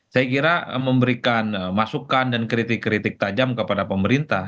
saya kira memberikan masukan dan kritik kritik tajam kepada pemerintah